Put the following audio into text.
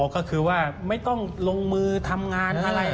ก็คือว่าไม่ต้องลงมือทำงานอะไร